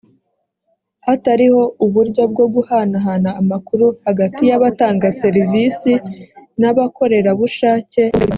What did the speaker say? hatariho uburyo bwo guhanahana amakuru hagati y’abatanga serivisi n’ abakorerabushake bo mu nzego z’ibanze